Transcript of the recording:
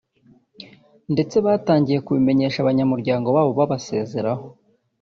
ndetse batangiye kubimenyesha abanyamuryango babo babasezeraho